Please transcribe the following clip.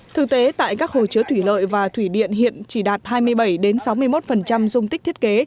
thực tế tại các hồ chứa thủy lợi và thủy điện hiện chỉ đạt hai mươi bảy sáu mươi một dung tích thiết kế